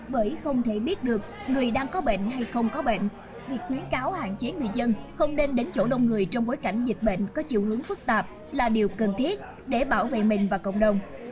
bởi không thể biết được người đang có bệnh hay không có bệnh việc khuyến cáo hạn chế người dân không nên đến chỗ đông người trong bối cảnh dịch bệnh có chiều hướng phức tạp là điều cần thiết để bảo vệ mình và cộng đồng